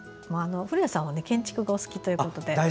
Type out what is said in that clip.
古谷さんは建築がお好きということで。